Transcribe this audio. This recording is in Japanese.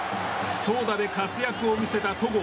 投打で活躍を見せた戸郷。